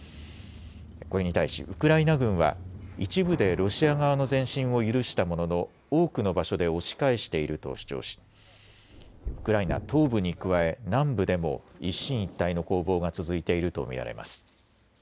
これに対し、ウクライナ軍は一部でロシア側の前進を許したものの多くの場所で押し返していると主張しウクライナ東部に加え南部でも一進一退の攻防が続いていると見られます。